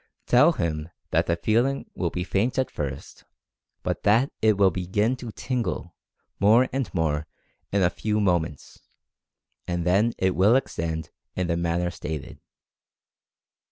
Tell him that the feeling will be faint at first, but that it will be gin to "tingle" more and more in a few moments, and then it will extend in the manner stated.